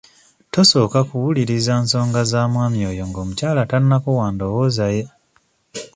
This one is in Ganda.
Tosooka kkuwuuliriza nsonga za mwami oyo ng'omukyala tannakuwa ndowooza ye.